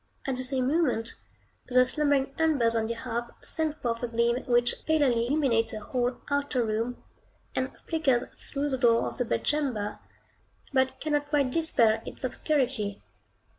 At the same moment, the slumbering embers on the hearth send forth a gleam which palely illuminates the whole outer room, and flickers through the door of the bedchamber, but cannot quite dispel its obscurity.